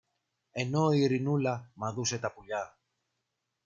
ενώ η Ειρηνούλα μαδούσε τα πουλιά.